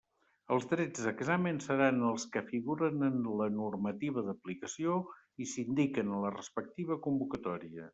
Els drets d'examen seran els que figuren en la normativa d'aplicació i s'indiquen en la respectiva convocatòria.